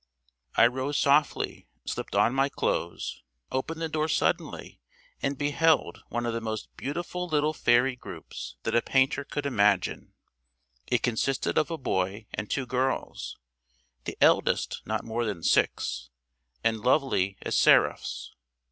I rose softly, slipped on my clothes, opened the door suddenly, and beheld one of the most beautiful little fairy groups that a painter could imagine. It consisted of a boy and two girls, the eldest not more than six, and lovely as seraphs.